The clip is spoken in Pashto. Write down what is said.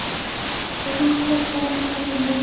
د راتلونکي لپاره نن اړین ده